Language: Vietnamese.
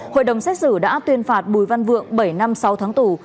hội đồng xét xử đã tuyên phạt bùi văn vượng bảy năm sáu tháng tù